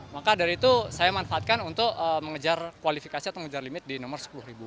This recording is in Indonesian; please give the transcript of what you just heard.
maka dari itu saya manfaatkan untuk mengejar kualifikasi atau mengejar limit di nomor sepuluh ribu